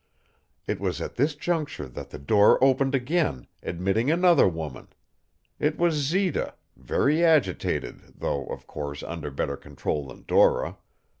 It was at this juncture that the door opened again, admitting another woman. It was Zita, very agitated, though, of course, under better control than Dora.